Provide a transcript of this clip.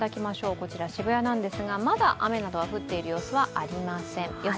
こちら渋谷なんですが、まだ雨などは降っている様子はありません。